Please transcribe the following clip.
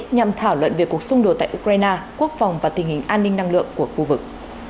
nhằm thảo luận về cuộc xung đột tại ukraine quốc phòng và tình hình an ninh năng lượng của khu vực